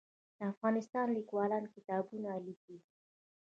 د افغانستان لیکوالان کتابونه لیکي